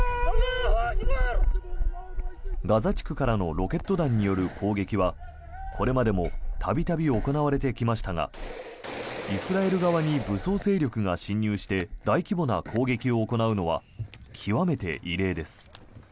ガザ地区からのロケット弾による攻撃はこれまでも度々行われてきましたがイスラエル側に武装勢力が侵入して大規模な攻撃を行うのは極めて異例です。